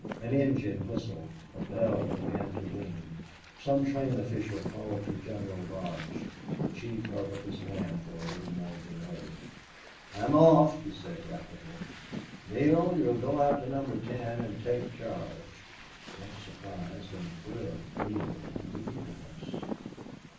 An engine whistled; a bell began to ring; some train official called to General Lodge. The chief held up his hand for a little more delay. "I'm off," he said rapidly. "Neale, you'll go out to Number Ten and take charge." That surprised and thrilled Neale into eagerness.